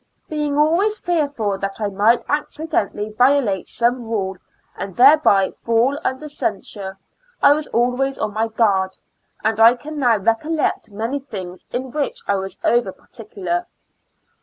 Being always fearful that I might accidentally violate some rule and thereby fall under censure, I was al ways on my guard, and I can now recollect many things in which I was over particular.